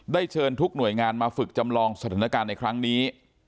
เชิญทุกหน่วยงานมาฝึกจำลองสถานการณ์ในครั้งนี้